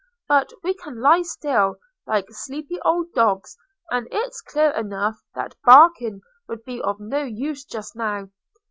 But we can lie still, like sleepy old dogs; and it's clear enough that barking would be of no use just now.